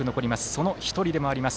その１人でもあります